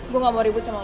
gue gak mau ribut sama lo